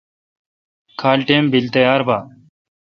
کھال ٹئم بل تیار با۔